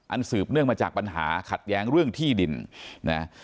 สืบเนื่องมาจากปัญหาขัดแย้งเรื่องที่ดินนะ